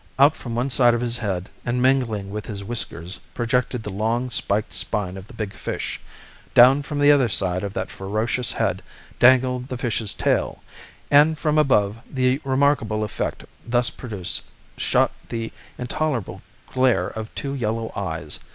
Out from one side of his head, and mingling with his whiskers, projected the long, spiked spine of the big fish: down from the other side of that ferocious head dangled the fish's tail, and from above the remarkable effect thus produced shot the intolerable glare of two yellow eyes.